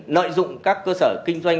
nợi dụng các cơ sở kinh doanh